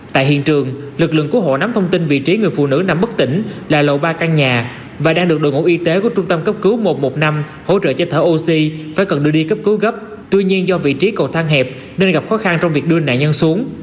tại hiện trường lực lượng cứu hộ nắm thông tin vị trí người phụ nữ nằm bất tỉnh là lầu ba căn nhà và đang được đội ngũ y tế của trung tâm cấp cứu một trăm một mươi năm hỗ trợ cho thở oxy phải cần đưa đi cấp cứu gấp tuy nhiên do vị trí cầu thang hẹp nên gặp khó khăn trong việc đưa nạn nhân xuống